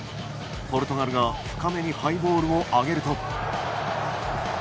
ポルトガルが深めにハイボールを上げると。